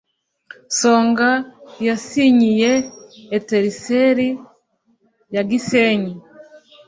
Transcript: songa yasinyiye etelisele ya gisenyi